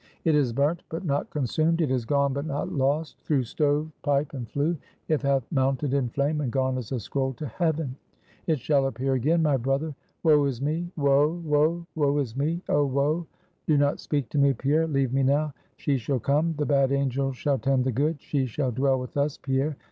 "It is burnt, but not consumed; it is gone, but not lost. Through stove, pipe, and flue, it hath mounted in flame, and gone as a scroll to heaven! It shall appear again, my brother. Woe is me woe, woe! woe is me, oh, woe! Do not speak to me, Pierre; leave me now. She shall come. The Bad angel shall tend the Good; she shall dwell with us, Pierre.